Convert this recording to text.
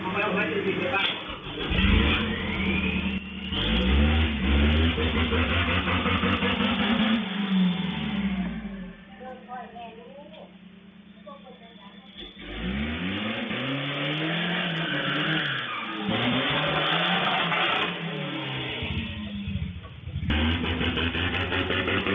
มาแล้วไหว้ดูสิเจ้าหน้าค่ะ